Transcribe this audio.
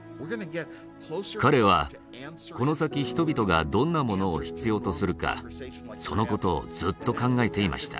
彼はこの先人々がどんなものを必要とするかその事をずっと考えていました。